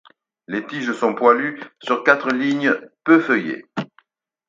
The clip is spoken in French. Les tiges sont poilues sur quatre lignes, peu feuillées.